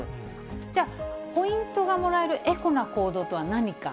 じゃあ、ポイントがもらえるエコな行動とは何か。